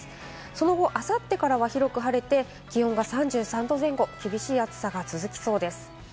その後あさってからは広く晴れて、気温が３３度前後、厳しい暑さが続きそうです。